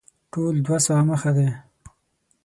ټول دوه سوه مخه دی.